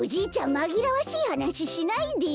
まぎらわしいはなししないでよ。